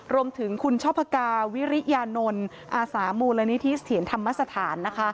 รวมถึงคุณช่อพกาวิริยานนท์อาสามูลนิธิเถียรธรรมสถานนะคะ